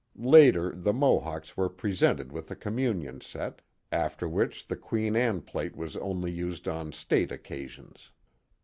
Later the Mohawks were presented with a communion set, after which the Queen Anne plate was only used on state occasions.